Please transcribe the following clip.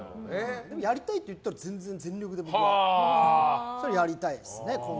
でも、やりたいって言ったら僕は全力でコンビもやりたいですね。